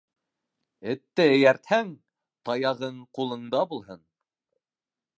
Этте эйәртһәң, таяғың ҡулында булһын.